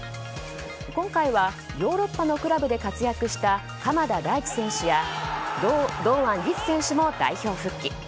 今回はヨーロッパのクラブで活躍した鎌田大地選手や堂安律選手も代表復帰。